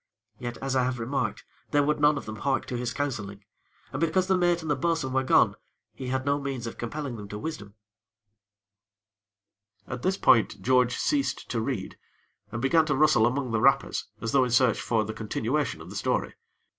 Yet, as I have remarked, they would none of them hark to his counseling, and, because the Mate and the bo'sun were gone he had no means of compelling them to wisdom " At this point, George ceased to read, and began to rustle among the wrappers, as though in search for the continuation of the story.